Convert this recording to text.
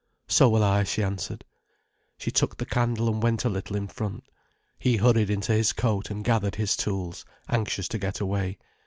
"So will I," she answered. She took the candle and went a little in front. He hurried into his coat and gathered his tools, anxious to get away.